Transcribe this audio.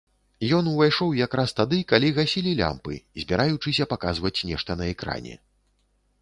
Ён увайшоў якраз тады, калі гасілі лямпы, збіраючыся паказваць нешта на экране.